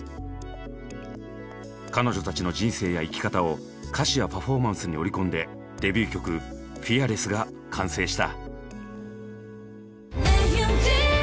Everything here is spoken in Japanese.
彼女たちの人生や生き方を歌詞やパフォーマンスに織り込んでデビュー曲「ＦＥＡＲＬＥＳＳ」が完成した。